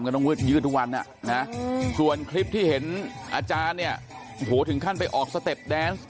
มันก็ต้องยืดทุกวันอ่ะนะอืมส่วนคลิปที่เห็นอาจารย์เนี่ยโหถึงขั้นไปออกสเต็ปแดนส์